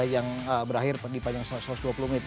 yang berakhir dipanjang satu ratus dua puluh menit